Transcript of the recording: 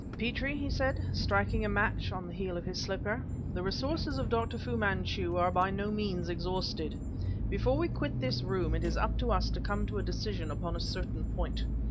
"Petrie," he said, striking a match on the heel of his slipper, "the resources of Dr. Fu Manchu are by no means exhausted. Before we quit this room it is up to us to come to a decision upon a certain point."